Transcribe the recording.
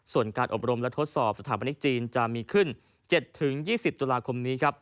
ส่วนการอบรมและทดสอบสถาปนิกจีนจะมีขึ้น๗๒๐ตุลาคมนี้ครับ